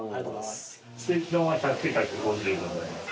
ステーキ丼は１００１５０がございます。